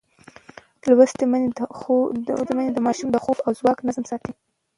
لوستې میندې د ماشوم د خوب او خوراک نظم ساتي.